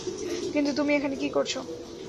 কিন্তু তুমি এখানে কী করছো?